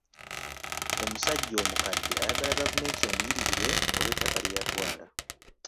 Omusajja omukadde ayagala gavumenti emuliyirire olw'ettaka lye yatwala.